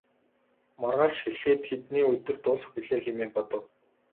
Маргааш эхлээд хэдний өдөр дуусах билээ хэмээн бодов.